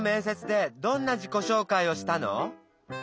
せつでどんな自己紹介をしたの？